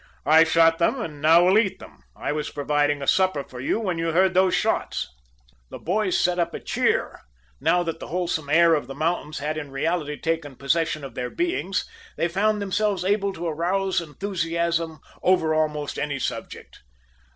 I shot them, and now we'll eat them. I was providing a supper for you when you heard those shots." The boys set up a cheer. Now that the wholesome air of the mountains had in reality taken possession of their beings, they found themselves able to arouse enthusiasm over almost any subject.